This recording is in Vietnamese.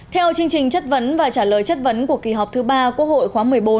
theo chương trình chất vấn và trả lời chất vấn của kỳ họp thứ ba quốc hội khóa một mươi bốn